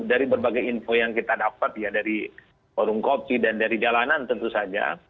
dari berbagai info yang kita dapat ya dari warung kopi dan dari jalanan tentu saja